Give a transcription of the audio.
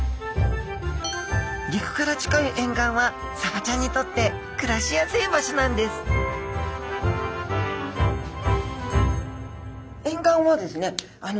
陸から近い沿岸はサバちゃんにとって暮らしやすい場所なんです沿岸はですね